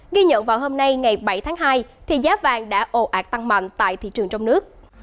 ghi nhận vào hôm nay ngày bảy tháng hai thì giá vàng đã ồ ạt tăng mạnh tại thị trường trong nước